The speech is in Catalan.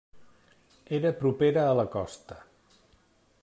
Era propera a la costa.